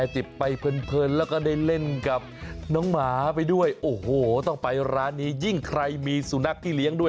จิบไปเพลินแล้วก็ได้เล่นกับน้องหมาไปด้วยโอ้โหต้องไปร้านนี้ยิ่งใครมีสุนัขที่เลี้ยงด้วย